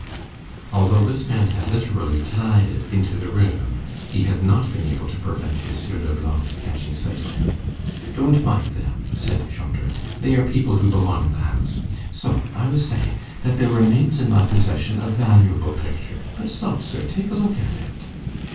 Although this man had, literally, glided into the room, he had not been able to prevent M. Leblanc catching sight of him. "Don't mind them," said Jondrette, "they are people who belong in the house. So I was saying, that there remains in my possession a valuable picture. But stop, sir, take a look at it."